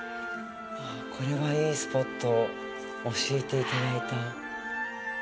これはいいスポットを教えていただいた。